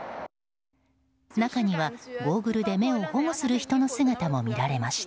中には、ゴーグルで目を保護する人の姿も見られました。